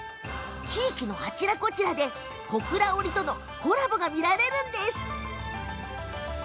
地域のあちこちで小倉織とのコラボが見られるのです。